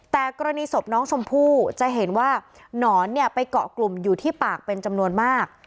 แต่กรณีศพน้องชมพู่จะเห็นว่าหนอนเนี่ยไปเกาะกลุ่มอยู่ที่ปากเป็นจำนวนมาก